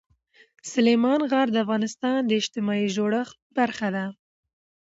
سلیمان غر د افغانستان د اجتماعي جوړښت برخه ده.